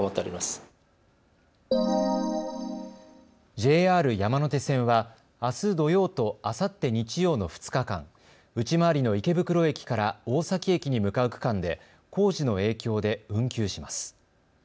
ＪＲ山手線は、あす土曜とあさって日曜の２日間、内回りの池袋駅から大崎駅に向かう区間で工事の影響で運休します。